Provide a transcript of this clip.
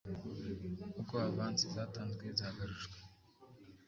Uko avansi zatanzwe zagarujwe